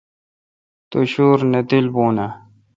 تو شُور نہ تیل بُون آں؟